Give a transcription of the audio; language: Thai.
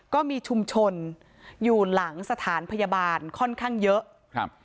ก็มีชุมชนอยู่หลังสถานพยาบาลค่อนข้างเยอะครับ